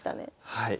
はい。